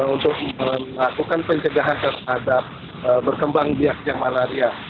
untuk melakukan penjagaan terhadap berkembang biasa malaria